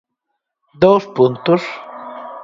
¿Dous puntos?